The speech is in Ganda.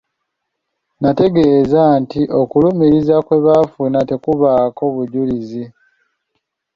Nategeeza nti okulumiriza kwe baafuna tekubaako bujulizi.